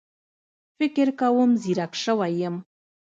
فکر کوم ځيرک شوی يم